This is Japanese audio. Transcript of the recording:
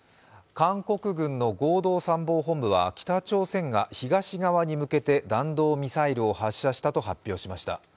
韓国軍の合同参謀本部は北朝鮮が東側に向けて弾道ミサイルを発射したと発表しました。